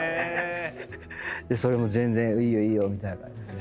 それも全然「いいよいいよ」みたいな。